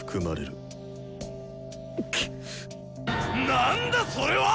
何だそれは！